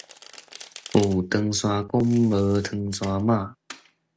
有唐山公，無唐山媽